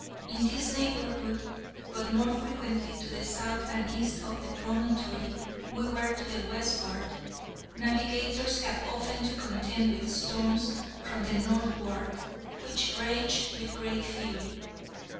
In this neighborhood, but more frequently to the south and east of the promontory (we were to the westward), navigators have often to contend with storms from the northward, which rage with great fury.